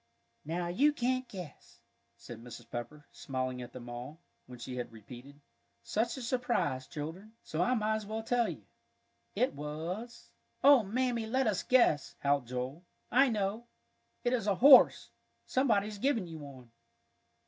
"Now you can't guess," said Mrs. Pepper, smiling at them all, when she had repeated, "such a surprise, children," "so I might as well tell you. It was " "Oh, Mammy, let us guess," howled Joel. "I know it is a horse! Somebody's given you one."